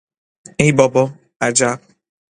ای بابا!، عجب!